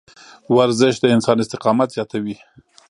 ورزش د انسان استقامت زیاتوي.